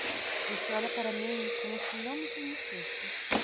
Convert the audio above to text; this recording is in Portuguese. Você olha para mim como se não me conhecesse.